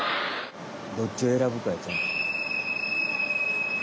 どっちを選ぶかや。